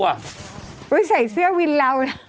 ไม่ใช่เสื้อวินเลานะ